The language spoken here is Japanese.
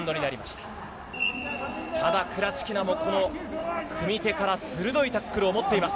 ただ、クラチキナもこの組み手から鋭いタックルを持っています。